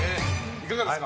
いかがですか？